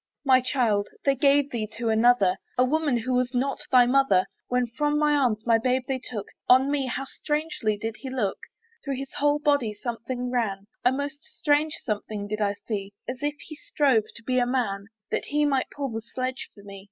My child! they gave thee to another, A woman who was not thy mother. When from my arms my babe they took, On me how strangely did he look! Through his whole body something ran, A most strange something did I see; As if he strove to be a man, That he might pull the sledge for me.